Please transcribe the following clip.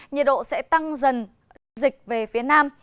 nhiệt độ sẽ tăng dần dịch về phía nam